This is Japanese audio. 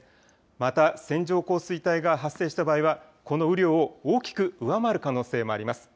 また、線状降水帯が発生した場合は、この雨量を大きく上回る可能性もあります。